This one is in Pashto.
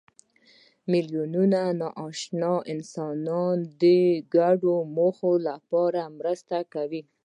میلیونونه ناآشنا انسانان د ګډو موخو لپاره مرسته کوي.